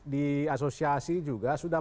di asosiasi juga sudah